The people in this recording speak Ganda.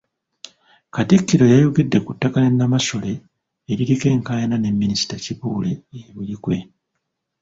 Katikkiro yayogedde ku ttaka lya Nnamasole eririko enkaayana ne Minisita Kibuule e Buikwe.